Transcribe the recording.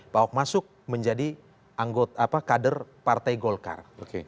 pak ahok masuk menjadi kader partai golkar